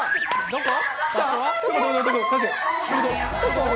どこ？